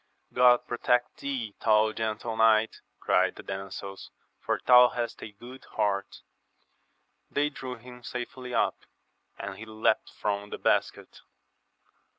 God protect thee, thou gentle knight, cried the damsels, for thou hast a good heart ! They drew him safely up, and he leapt from the basket.